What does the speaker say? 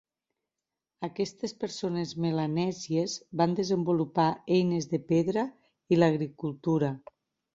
Aquestes persones melanèsies van desenvolupar eines de pedra i l'agricultura.